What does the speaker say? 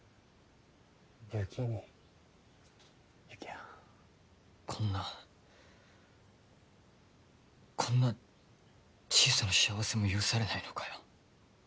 有起兄有起哉こんなこんな小さな幸せも許されないのかよ